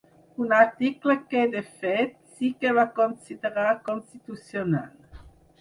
Un article que, de fet, sí que va considerar constitucional.